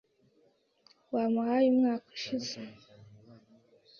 Wamuhaye umwaka ushize?